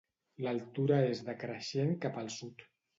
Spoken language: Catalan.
L'altura és decreixent cap al sud.